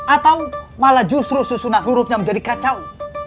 atau malah justru susunan hurufnya menjadi kacau